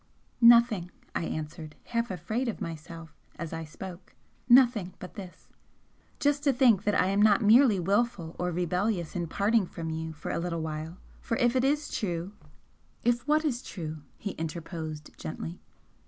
"Nothing!" I answered, half afraid of myself as I spoke "Nothing but this. Just to think that I am not merely wilful or rebellious in parting from you for a little while for if it is true " "If what is true?" he interposed, gently.